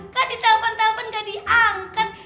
kan ditelepon telepon gak diangkat